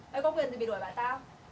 mày có quyền gì mày đuổi bạn tao